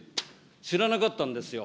知らなかったんですよ。